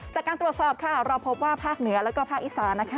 จากการตรวจสอบค่ะเราพบว่าภาคเหนือแล้วก็ภาคอีสานนะคะ